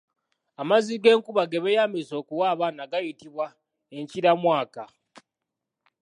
Amazzi g’enkuba ge beeyambisa okuwa abaana gayitibwa Enkiramwaka.